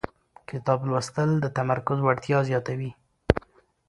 کتاب لوستل د تمرکز وړتیا زیاتوي